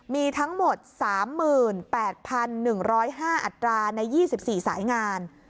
มีทั้งหมด๓๘๑๐๕อัตราใน๒๔สายงาน